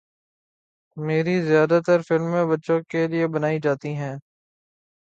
میری زیادہ تر فلمیں بچوں کیلئے بنائی جاتی ہیں